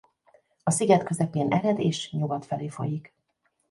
A sziget közepén ered és nyugat felé folyik.